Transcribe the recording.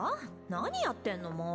何やってんのもう。